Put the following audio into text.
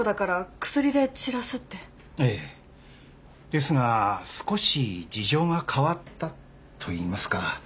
ですが少し事情が変わったといいますか。